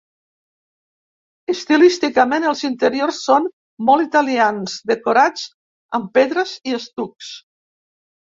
Estilísticament, els interiors són molt italians, decorats amb pedres i estucs.